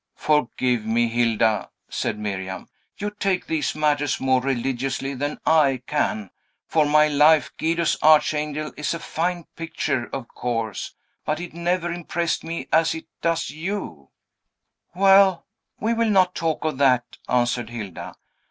"Forgive me, Hilda!" said Miriam. "You take these matters more religiously than I can, for my life. Guido's Archangel is a fine picture, of course, but it never impressed me as it does you." "Well; we will not talk of that," answered Hilda.